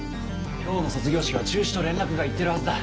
今日の卒業式は中止と連絡がいってるはずだ。